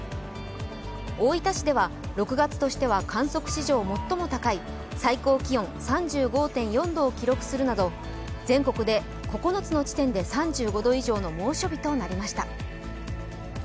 大分市では６月としては観測史上最も高い最高気温３５．４度を記録するなど全国９つの地点で３５度以上の猛暑日となりました。